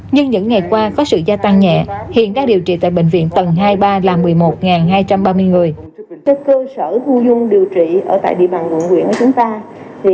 nhưng những ngày qua có sự gia tăng nhẹ hiện đang điều trị tại bệnh viện tầng hai mươi ba là một mươi một hai trăm ba mươi người